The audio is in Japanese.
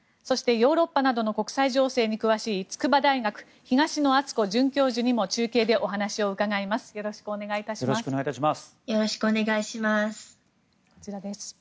そしてヨーロッパなどの国際情勢に詳しい筑波大学、東野篤子准教授にも中継でお話を伺います。